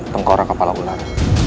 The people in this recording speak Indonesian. tongkora kepala ular